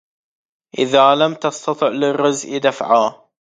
إذا لم تستطع للرزء دفعا